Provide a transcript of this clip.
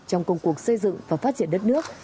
trong công cuộc xây dựng và phát triển đất nước